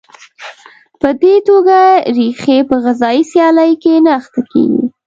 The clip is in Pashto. په دې توګه ریښې په غذایي سیالۍ کې نه اخته کېږي.